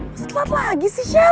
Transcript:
masih telat lagi sih shell